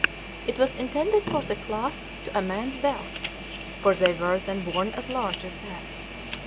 It was intended for the clasp to a man's belt; for they were then worn as large as that.